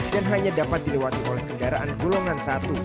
hanya dapat dilewati oleh kendaraan golongan satu